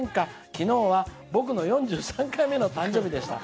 昨日は僕の４３回目の誕生日でした」。